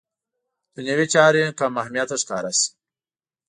دنیوي چارې کم اهمیته ښکاره شي.